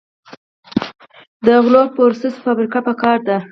د غلو پروسس فابریکې پکار دي.